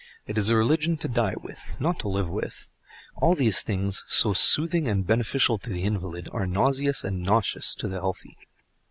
It is a religion to die with, not to live with. All these things, so soothing and beneficial to the invalid, are nauseous and noxious to the healthy.